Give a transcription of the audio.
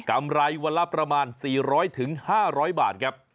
ำไรวันละประมาณ๔๐๐๕๐๐บาทครับ